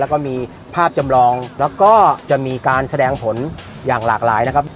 แล้วก็มีภาพจำลองแล้วก็จะมีการแสดงผลอย่างหลากหลายนะครับ